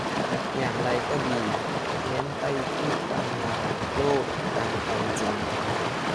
อย่างไรก็ดี เน้นไปที่การมองโลกตามความจริง